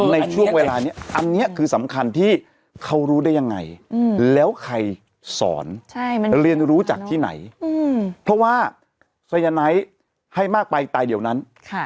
ในช่วงเวลานี้อันนี้คือสำคัญที่เขารู้ได้ยังไงแล้วใครสอนเรียนรู้จากที่ไหนเพราะว่าสายไนท์ให้มากไปตายเดี๋ยวนั้น